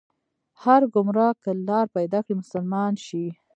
هر ګمراه که لار پيدا کړي، مسلمان شي